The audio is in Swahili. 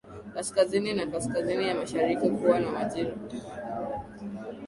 Kaskazini na kaskazini ya mashariki huwa na majira